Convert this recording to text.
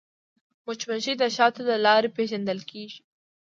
مچمچۍ د شاتو له لارې پیژندل کېږي